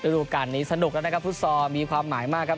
ดูการนี้สนุกแล้วนะครับฟุตซอลมีความหมายมากครับ